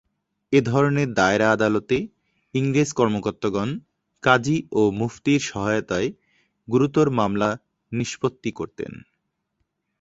এ ধরনের দায়রা আদালতে ইংরেজ কর্মকর্তাগণ কাজী এবং মুফতীর সহায়তায় গুরুতর মামলা নিষ্পত্তি করতেন।